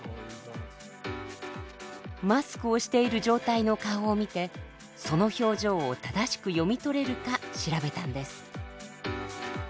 マスクをしている状態の顔を見てその表情を正しく読み取れるか調べたんです。